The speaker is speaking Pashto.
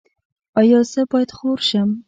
ایا زه باید خور شم؟